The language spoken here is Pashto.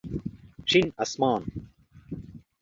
شين اسمان